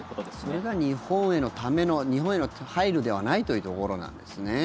それが日本への配慮ではないというところなんですね。